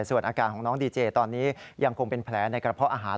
ส่วนอาการของน้องดีเจตอนนี้ยังคงเป็นแผลในกระเพาะอาหาร